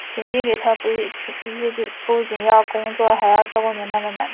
平日里他不仅要工作还要照顾年迈的奶奶。